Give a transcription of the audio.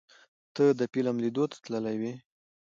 ته د فلم لیدو ته تللی وې؟